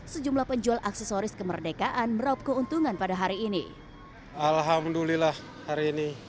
sejumlah penjual aksesoris kemerdekaan meraup keuntungan pada hari ini alhamdulillah hari ini